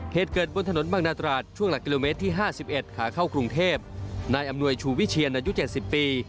เหตุเกิดบนถนนบางนาตราดช่วงหลักกิโลเมตรที่ห้าสิบเอ็ดขาเข้ากรุงเทพนายอำนวยชูวิเชียนอายุเจ็ดสิบปี